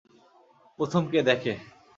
প্রথম কে দেখে?